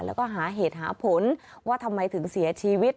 แล้วก็หาเหตุหาผลว่าทำไมถึงเสียชีวิต